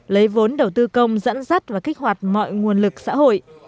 lấy vốn đầu tư công dẫn dắt và kích hoạt mọi nguồn lực xã hội